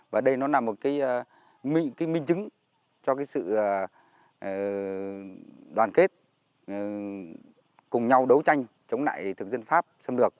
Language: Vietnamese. và đây nó là một cái minh chứng cho cái sự đoàn kết cùng nhau đấu tranh chống lại thực dân pháp xâm lược